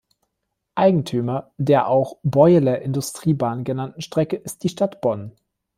Eigentümer der auch „Beueler Industriebahn“ genannten Strecke ist die Stadt Bonn.